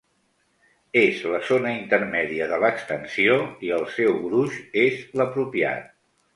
És la zona intermèdia de l'extensió i el seu gruix és l'apropiat.